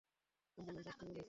অ্যাম্বুলেন্সে আসতে বলেছি।